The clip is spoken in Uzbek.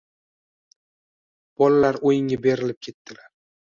Bolalar o'yinga berilib ketdilar.